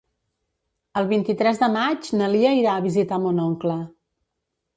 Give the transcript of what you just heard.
El vint-i-tres de maig na Lia irà a visitar mon oncle.